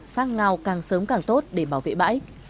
sang ngao càng sớm càng tốt để bảo vệ bãi